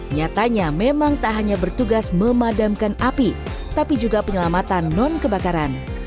nyatanya memang tak hanya bertugas memadamkan api tapi juga penyelamatan non kebakaran